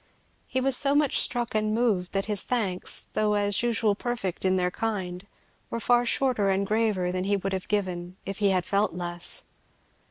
He was so much struck and moved that his thanks, though as usual perfect in their kind, were far shorter and graver than he would have given if he had felt less.